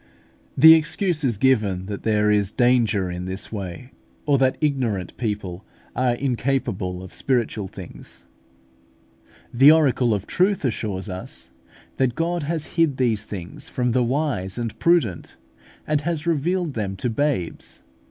The excuse given is that there is danger in this way, or that ignorant people are incapable of spiritual things. The oracle of truth assures us that God has hid these things from the wise and prudent, and has revealed them to babes.